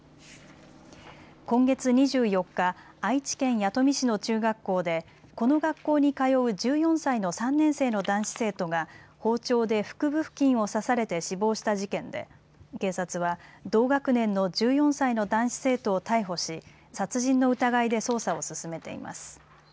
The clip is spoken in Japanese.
今月２４日、愛知県弥富市の中学校でこの学校に通う１４歳の３年生の男子生徒が包丁で腹部付近を刺されて死亡した事件で警察は同学年の１４歳の男子生徒を逮捕し、殺人の疑いで捜査を進めています。